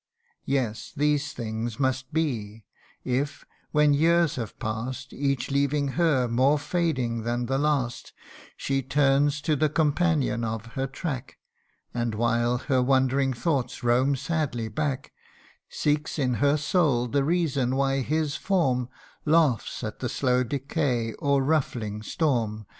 Yes, these things must be : if, when years have pass'd, Each leaving her more fading than the last, She turns to the companion of her track, And, while her wandering thoughts roam sadly back, Seeks in her soul the reason why his form Laughs at the slow decay or ruffling storm, CANTO III.